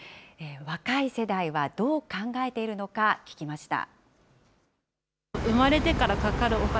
若い世代はどう考えているのか聞きました。